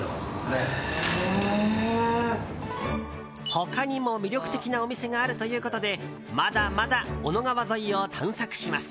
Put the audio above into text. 他にも魅力的なお店があるということでまだまだ小野川沿いを探索します。